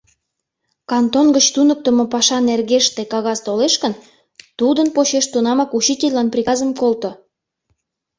Кантон гыч туныктымо паша нергеште кагаз толеш гын, тудын почеш тунамак учительлан приказым колто...